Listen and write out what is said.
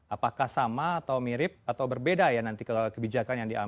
apakah sama atau mirip atau berbeda ya nanti kebijakan yang diambil